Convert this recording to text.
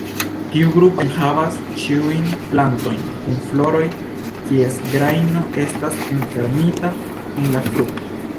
Tiu grupo enhavas ĉiujn plantojn kun floroj kies grajno estas enfermita en la frukto.